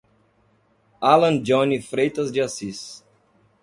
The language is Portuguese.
Alan Johnny Freitas de Assis